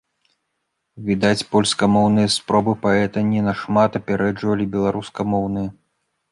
Відаць, польскамоўныя спробы паэта не на шмат апярэджвалі беларускамоўныя.